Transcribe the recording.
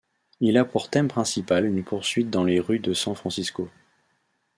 Il a pour thème principal une poursuite dans les rues de San Francisco.